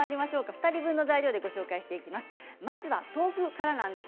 ２人分の材料でご紹介していきます。